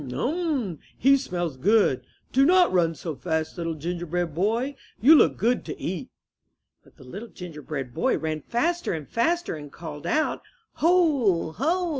Um! He smells good. Do not run so fast, Little Gingerbread Boy. You look good to eat.*' But the Little Gingerbread Boy ran faster and faster and called out: "Ho! Ho!